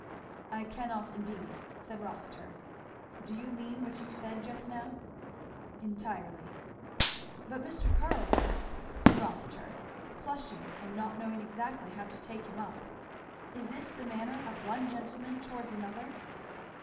"I cannot indeed," said Rossitur. "Do you mean what you said just now?" "Entirely." "But Mr. Carleton," said Rossitur, flushing and not knowing exactly how to take him up, "is this the manner of one gentleman towards another?"